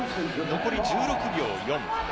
残りが１６秒４。